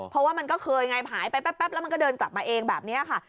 เพราะว่ามันก็เคยไงหายไปแป๊บแล้วมันก็เดินกลับมาเองแบบนี้ค่ะ